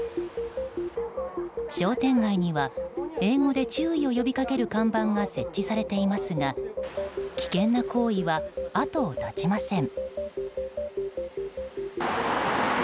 商店街には英語で注意を呼びかける看板が設置されていますが危険な行為は、後を絶ちません。